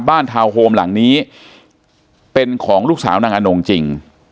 ทาวน์โฮมหลังนี้เป็นของลูกสาวนางอนงจริง